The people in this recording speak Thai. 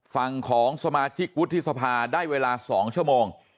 ฝั่งของสมาชิกวุฒิสภาได้เวลา๒ชั่วโมง